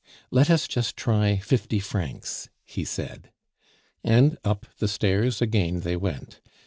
"Let us just try fifty francs," he said. And up the stairs again they went.